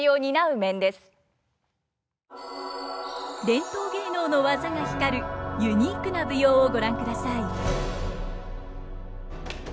伝統芸能の技が光るユニークな舞踊をご覧ください。